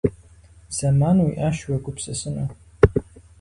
Зэман уиӀащ уегупсысыну.